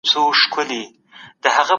په خوړو کي تودوخه برابره وساتئ.